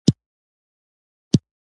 ډرامه د مورنۍ ژبې پرمختګ ته لاره هواروي